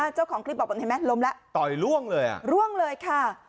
เจ้าของคลิปบอกแบบนี้ไหมล้มแล้วต่อยล่วงเลยอ่ะร่วงเลยค่ะ